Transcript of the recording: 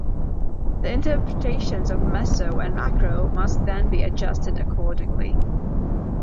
The interpretations of "meso-" and "macro-" must then be adjusted accordingly.